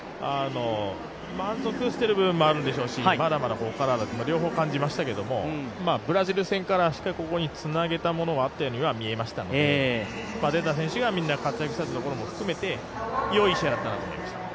満足している部分もあるんでしょうし、まだまだここからだと両方感じましたけれども、ブラジル戦からしっかり、ここにつなげたものがあったようには感じましたので出た選手がみんな活躍したところも含めて良い試合だったと思います。